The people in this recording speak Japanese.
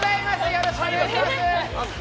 よろしくお願いします。